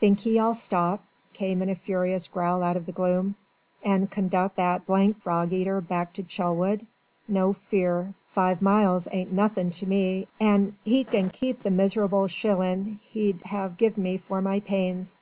"Think ye I'll stop," came in a furious growl out of the gloom, "and conduct that d d frogeater back to Chelwood? No fear. Five miles ain't nothin' to me, and 'e can keep the miserable shillin' 'e'd 'ave give me for my pains.